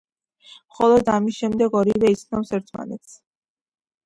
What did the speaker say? მხოლოდ ამის შემდეგ ორივე იცნობს ერთმანეთს.